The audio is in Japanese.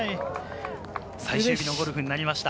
最終日のゴルフになりました。